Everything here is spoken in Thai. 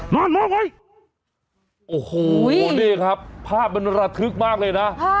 นอนไว้โอ้โหนี่ครับภาพมันระทึกมากเลยนะ